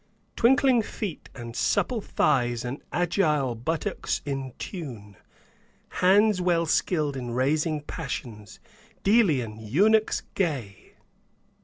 Twinkling feet and supple thighs and agile buttocks in tune, Hands well skilled in raising passions, Delian eunuchs gay!"